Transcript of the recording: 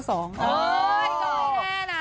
อ้าวก็ไม่แน่นะ